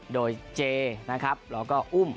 โดยเจนะครับแล้วก็อุ้ม